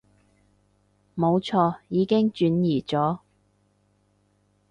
冇錯，已經轉移咗